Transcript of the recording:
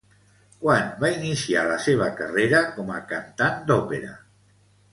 Quan va iniciar la seva carrera com a cantant d'òpera?